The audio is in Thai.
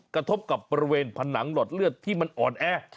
กระทบกับบริเวณผนังหลอดเลือดที่มันอ่อนแอ